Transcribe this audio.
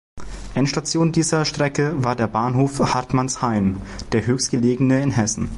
Endstation dieser Strecke war der Bahnhof Hartmannshain, der höchstgelegene in Hessen.